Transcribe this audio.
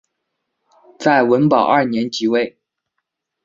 在文保二年即位。